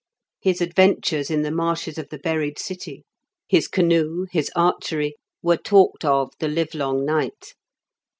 His adventures in the marshes of the buried city, his canoe, his archery, were talked of the livelong night.